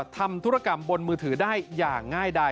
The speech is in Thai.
ธุรกรรมบนมือถือได้อย่างง่ายดาย